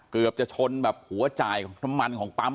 เกือบจะชนแบบหัวจ่ายน้ำมันของปั๊มนะครับ